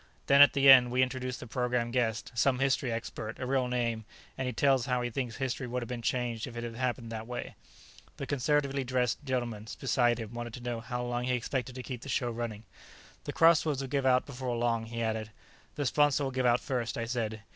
Then, at the end, we introduce the program guest, some history expert, a real name, and he tells how he thinks history would have been changed if it had happened this way." The conservatively dressed gentleman beside him wanted to know how long he expected to keep the show running. "The crossroads will give out before long," he added. "The sponsor'll give out first," I said.